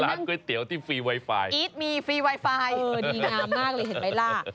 ก๋วยเตี๋ยวที่ฟรีไวไฟอีทมีฟรีไวไฟดีงามมากเลยเห็นไหมล่ะ